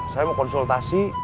saya mau konsultasi